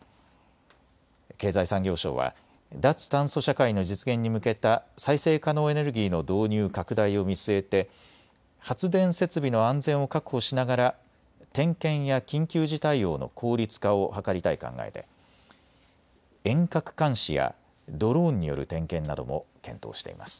経済産業省は脱炭素社会の実現に向けた再生可能エネルギーの導入拡大を見据えて発電設備の安全を確保しながら点検や緊急時対応の効率化を図りたい考えで遠隔監視やドローンによる点検なども検討しています。